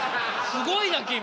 すごいな君。